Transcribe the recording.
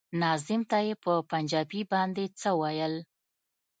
ناظم ته يې په پنجابي باندې څه ويل.